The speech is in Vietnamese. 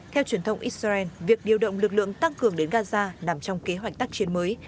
theo truyền thông israel việc điều động lực lượng tăng cường đến gaza nằm trong kế hoạch tác chiến mới